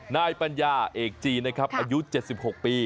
นายปัญญาเอกจีนนะครับอายุ๗๖ปี